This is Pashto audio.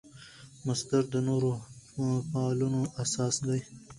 مصدر د نورو فعلونو اساس دئ.